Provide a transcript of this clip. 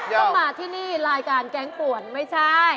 ต้องมาที่นี่รายการแก๊งป่วนไม่ใช่